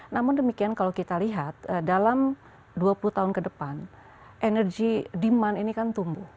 namun demikian kalau kita lihat dalam dua puluh tahun ke depan energi demand ini kan tumbuh